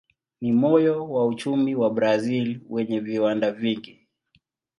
Ni moyo wa uchumi wa Brazil wenye viwanda vingi.